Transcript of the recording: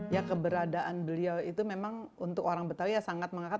ya keberadaan beliau itu memang untuk orang betawi ya sangat mengangkat